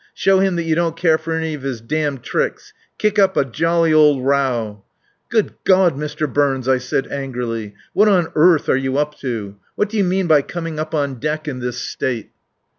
Show him that you don't care for any of his damned tricks. Kick up a jolly old row." "Good God, Mr. Burns," I said angrily. "What on earth are you up to? What do you mean by coming up on deck in this state?"